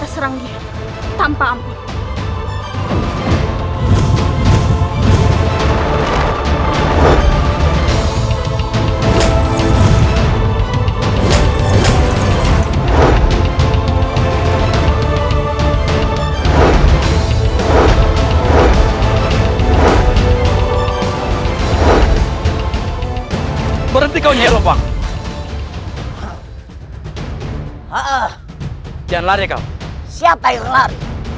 sumpah seorang raja besar